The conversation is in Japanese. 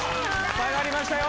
下がりましたよ。